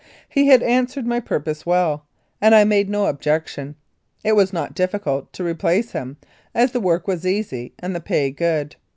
He had answered my purpose well, and I made no objection. It was not difficult to replace him, as the work was easy and the pay good.